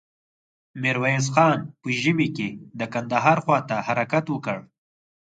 ميرويس خان په ژمې کې د کندهار خواته حرکت وکړ.